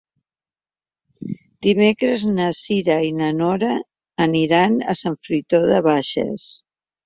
Dimecres na Cira i na Nora aniran a Sant Fruitós de Bages.